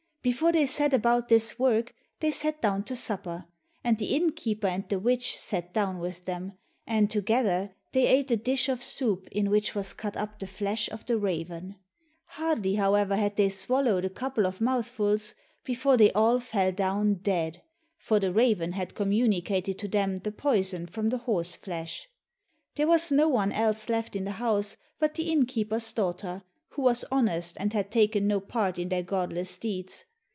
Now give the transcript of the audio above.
Before they set about this work, they sat down to supper, and the innkeeper and the witch sat down with them, and together they ate a dish of soup in which was cut up the flesh of the raven. Hardly, however, had they swallowed a couple of mouthfuls, before they all fell down dead, for the raven had communicated to them the poison from the horse flesh. There was no no one else left in the house but the innkeeper's daughter, who was honest, and had taken no part in their godless deeds.